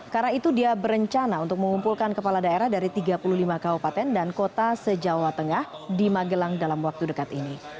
karena itu dia berencana untuk mengumpulkan kepala daerah dari tiga puluh lima kabupaten dan kota se jawa tengah di magelang dalam waktu dekat ini